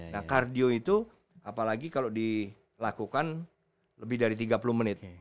nah kardio itu apalagi kalau dilakukan lebih dari tiga puluh menit